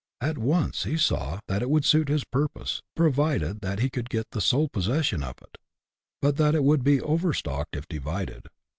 He at once saw that it would suit his purpose, pro vided that he could get the sole possession of it, but that it would be over stocked if divided.